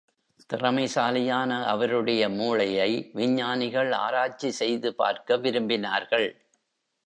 திறமைசாலியான அவருடைய மூளையை, விஞ்ஞானிகள் ஆராய்ச்சி செய்து பார்க்க விரும்பினார்கள்.